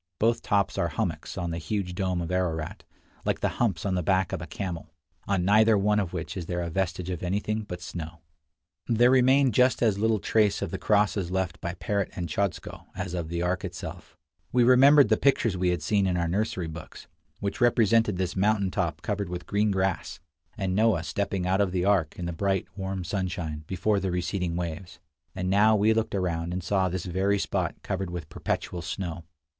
Both tops are hummocks on the huge dome of Ararat, like the humps on the back of a camel, on neither one of which is there a vestige of anything but snow. , ON THE SUMMIT OF MOUNT ARARAT— FIRING THE FOURTH OF JULY SALUTE. II 71 There remained just as little trace of the crosses left by Parrot and Chodzko, as of the ark itself. We remembered the pictures we had seen in our nursery books, which represented this mountain top covered with green grass, and Noah stepping out of the ark, in the bright, warm sunshine, before the receding waves; and now we looked around and saw this very spot covered with perpetual snow.